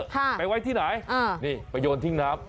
ไปไว้ที่ไหนอ่านี่ไปโยนทิ้งน้ำ